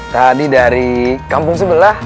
tadi dari kampung sebelah